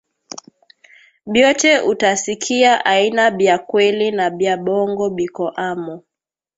Byote uta sikia aina bya kweli na bya bongo biko amo